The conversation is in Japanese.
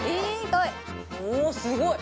おおすごい！